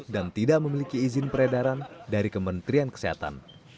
dan tidak memiliki izin peredaran dari kementerian kesehatan